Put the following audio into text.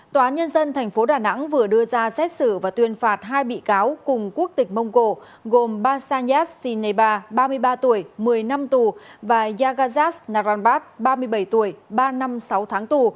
tòa nhân dân tp đà nẵng vừa đưa ra xét xử và tuyên phạt hai bị cáo cùng quốc tịch mông cổ gồm ba sanyas sineba ba mươi ba tuổi một mươi năm tù và yagazas narenbat ba mươi bảy tuổi ba năm sáu tháng tù